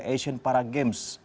asian para games